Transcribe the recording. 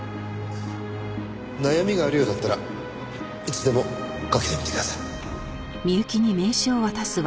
悩みがあるようだったらいつでもかけてみてください。